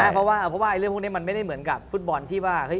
เพราะว่าเพราะว่าเรื่องพวกนี้มันไม่ได้เหมือนกับฟุตบอลที่ว่า